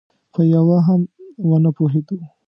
په یوه هم ونه پوهېدو.